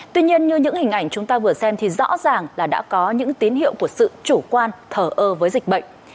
tuy nhiên như những hình ảnh chúng ta vừa xem thì rõ ràng là đã có những tín hiệu của sự chủ quan thờ ơ với dịch bệnh